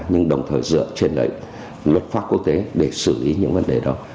nhưng đồng thời dựa trên lợi ích luật pháp quốc tế để xử lý những vấn đề đó